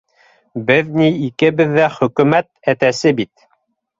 Беҙ ни икебеҙ ҙә хөкөмәт әтәсе бит.